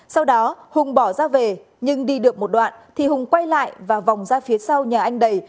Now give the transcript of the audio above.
sau đó hùng bỏ ra về nhưng đi được một đoạn thì hùng quay lại vào vòng ra phía sau nhà anh đầy